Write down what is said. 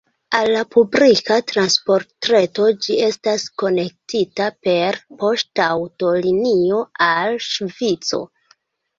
Al la publika transportreto ĝi estas konektita per poŝtaŭtolinio al Ŝvico.